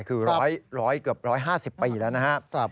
คือเกือบ๑๕๐ปีแล้วนะฮะ